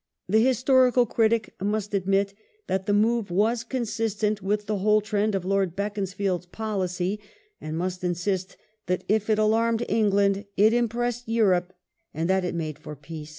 ^ The historical critic must admit that the move was consistent with the whole trend of Lord Beaconsfield's policy, and must insist that if it alarmed England it impressed Europe, and that it made for peace.